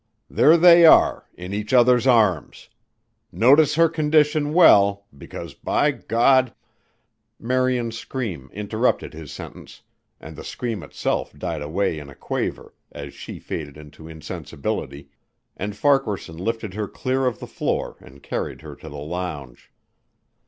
There they are in each other's arms. Notice her condition well, because, by God " Marian's scream interrupted his sentence, and the scream itself died away in a quaver, as she faded into insensibility, and Farquaharson lifted her clear of the floor and carried her to the lounge.